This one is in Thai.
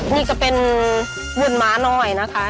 นี่ก็เป็นวุ่นม้าหน่อยนะคะ